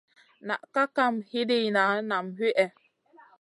Na kaʼa kam hidina nam wihè.